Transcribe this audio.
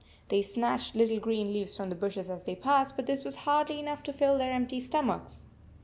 They snatched little green leaves from the bushes as they passed, but this was hardly enough to fill their empty stomachs.